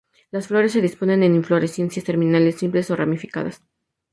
Las flores se disponen en inflorescencias terminales, simples o ramificadas.